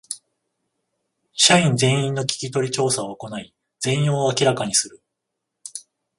社員全員の聞き取り調査を行い全容を明らかにする